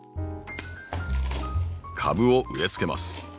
株を植えつけます。